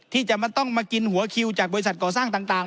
ที่จะต้องมากินหัวคิวจากบริษัทก่อสร้างต่าง